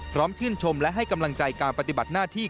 พร้อมชื่นชมและให้กำลังใจการปฏิบัติหน้าที่